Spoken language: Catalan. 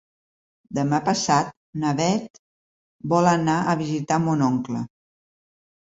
Demà passat na Bet vol anar a visitar mon oncle.